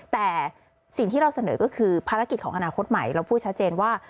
แต่สิ่งที่เราเสนอก็คือภารกิจของอนาคตใหม่เราพูดชัดเจนว่า